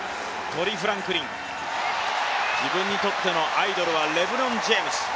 トリ・フランクリン、自分にとってのアイドルはレブロン・ジェームズ